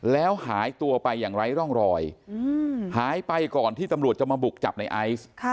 แล้วหายตัวไปอย่างไร้ร่องรอยหายไปก่อนที่ตำรวจจะมาบุกจับในไอซ์